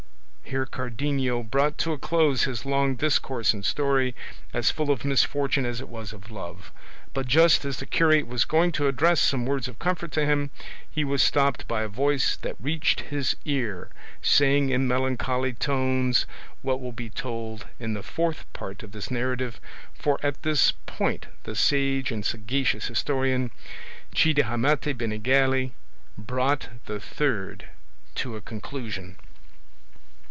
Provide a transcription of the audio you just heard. Here Cardenio brought to a close his long discourse and story, as full of misfortune as it was of love; but just as the curate was going to address some words of comfort to him, he was stopped by a voice that reached his ear, saying in melancholy tones what will be told in the Fourth Part of this narrative; for at this point the sage and sagacious historian, Cide Hamete Benengeli, brought the Third to a conclusion.